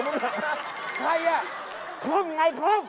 ข้มอย่างไรข้ม